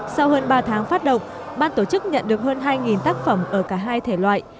sau hơn ba tháng phát động ban tổ chức nhận được hơn hai tác phẩm ở cả hai thể loại